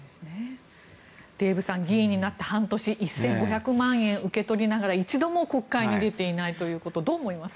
デーブさん議員になって半年１５００万円受け取りながら一度も国会に出ていないということどう思いますか。